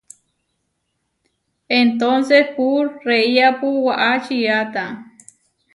Entónses pú reiápu waʼá čiáta.